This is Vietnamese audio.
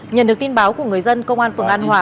nhận được tin báo của người dân công an phường an hòa